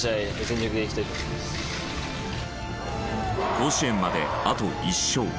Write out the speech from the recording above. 甲子園まであと１勝。